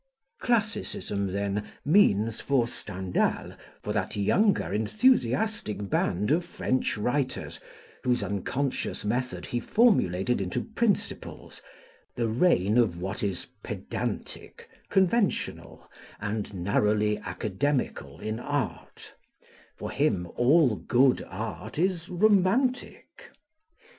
Classicism, then, means for Stendhal, for that younger enthusiastic band of French writers whose unconscious method he formulated into principles, the reign of what is pedantic, conventional, and narrowly academical in art; for him, all good art is romantic.